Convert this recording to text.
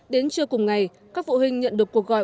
đến trưa cùng ngày các phụ huynh nhận được cuộc gọi